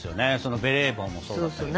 ベレー帽もそうだったけどさ。